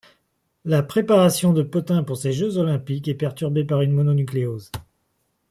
La préparation de Pothain pour ces Jeux olympiques est perturbée par une mononucléose.